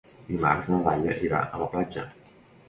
Dimarts na Laia irà a la platja.